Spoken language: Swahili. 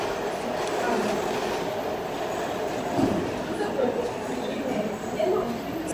moja Bush ambae alikuwa miongoni mwa watu wa awali waliounga mkono muungano wa Ujerumani